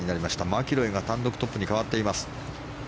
マキロイが単独トップに変わっています。